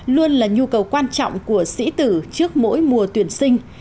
luôn là nhu cầu quan trọng của sĩ tử trước mỗi mùa tuyển sinh